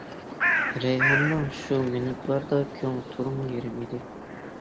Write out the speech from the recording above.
رەيھاننىڭ شۇ مىنۇتلاردا كۆڭلى تولىمۇ يېرىم ئىدى.